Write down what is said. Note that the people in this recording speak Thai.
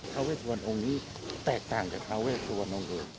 ทาเวสุวรรณองค์นี่แตกต่างจากทาเวสุวรรณองค์เลย